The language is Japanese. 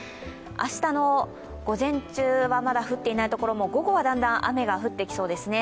明日の午前中はまだ降っていない所も午後は、だんだん雨が降ってきそうですね。